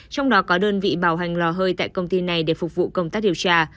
trong đó có đơn vị bảo hành lò hơi tại công ty này để phục vụ công tác điều tra